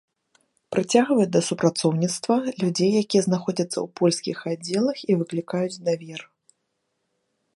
Прыцягваць да супрацоўніцтва людзей, якія знаходзяцца ў польскіх аддзелах і выклікаюць давер.